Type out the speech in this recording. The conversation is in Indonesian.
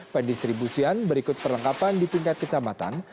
pendistribusian berikut perlengkapan di tingkat kecamatan